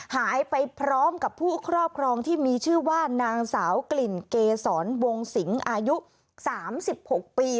หายไปพร้อมกับผู้ครอบครองที่มีชื่อว่านางสาวกลิ่นเกษรวงสิงอายุ๓๖ปี